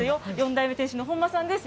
４代目店主の本間さんです。